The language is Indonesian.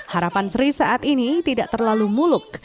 harapan sri saat ini tidak terlalu muluk